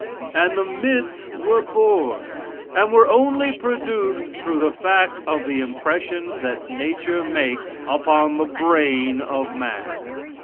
And the myths were born, and were only produced through the fact of the impressions that nature makes upon the brain of man.